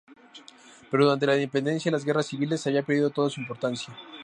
Pero durante la independencia y las guerras civiles había perdido toda su importancia.